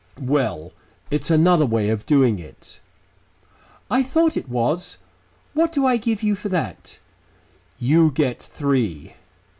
"Well ... it's another way of doing it." "I thought it was. What do I give you for that?" "You get three."